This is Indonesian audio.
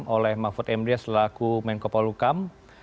oleh mahfud md selaku menkopol hukam